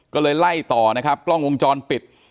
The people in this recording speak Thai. ก็เลยไล่ต่อนะครับกล้องวงจรปิด